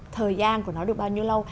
thời gian của nó được bao nhiêu lâu